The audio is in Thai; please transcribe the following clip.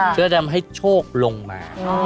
เพื่อทำให้โชคลงมา